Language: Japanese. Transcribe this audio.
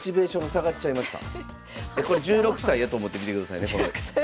これ１６歳やと思って見てくださいね。